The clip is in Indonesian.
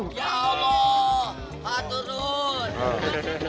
ya allah pak turun